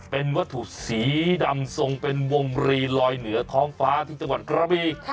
เป็นวัตถุสีดำทรงเป็นวงรีลอยเหนือท้องฟ้าที่จังหวัดกระบี